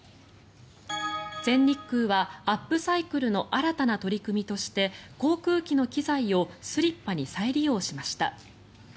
全日空はアップサイクルの新たな取り組みとして航空機の機材をスリッパに再利用しました。